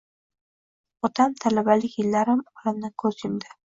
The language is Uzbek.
Otam talabalik yillarim olamdan ko`z yumdi